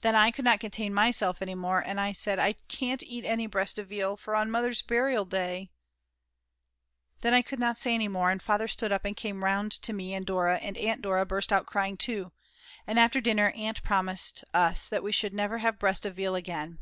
Then I could not contain myself any more and said: "I can't eat any breast of veal, for on Mother's burial day ," then I could not say any more, and Father stood up and came round to me, and Dora and Aunt Dora burst out crying too. And after dinner Aunt promised us that we should never have breast of veal again.